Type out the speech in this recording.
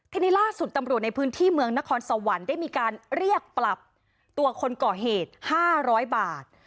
ทีนี้ล่าสุดตำรวจในพื้นที่เมืองนครสวรรค์ได้มีการเรียกปรับตัวคนก่อเหตุ๕๐๐บาท